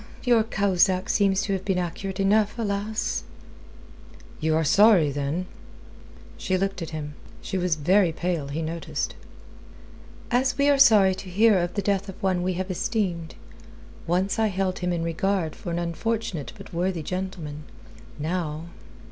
"Your Cahusac seems to have been accurate enough. Alas!" "You are sorry, then?" She looked at him. She was very pale, he noticed. "As we are sorry to hear of the death of one we have esteemed. Once I held him in regard for an unfortunate but worthy gentleman. Now...."